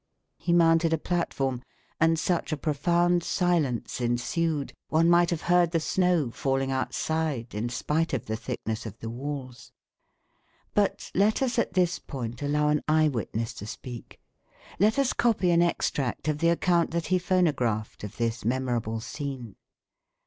He mounted a platform, and such a profound silence ensued, one might have heard the snow falling outside, in spite of the thickness of the walls. But let us at this point allow an eye witness to speak; let us copy an extract of the account that he phonographed of this memorable scene.